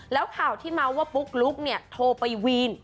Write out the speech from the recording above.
แล้วข่าวที่เมาส์ว่าปุ๊กลุ๊กเนี่ยโทรไปวีน